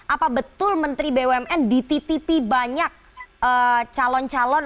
apa betul menteri bumn dititipi banyak calon calon